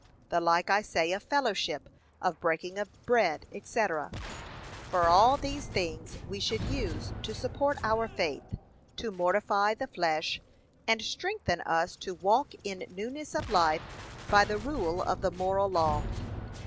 The like I say of fellowship, of breaking of bread, etc.. For all these things we should use to support our faith, to mortify the flesh, and strengthen us to walk in newness of life by the rule of the moral law.